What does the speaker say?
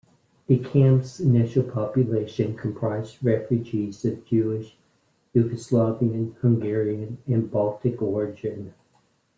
The camp's initial population comprised refugees of Jewish, Yugoslavian, Hungarian, and Baltic origin.